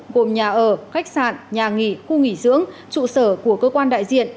gồm nhà ở khách sạn nhà nghỉ khu nghỉ dưỡng trụ sở của cơ quan đại diện